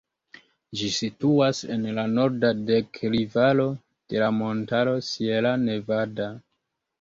Ĝi situas en la norda deklivaro de la montaro Sierra Nevada.